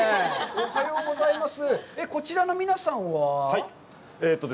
おはようございます！